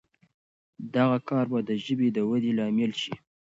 دغه کار به د ژبې د ودې لامل شي.